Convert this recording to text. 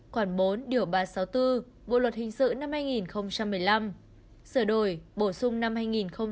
khoảng bốn điều ba trăm sáu mươi bốn bộ luật hình sự năm hai nghìn một mươi năm sửa đổi bổ sung năm hai nghìn một mươi bảy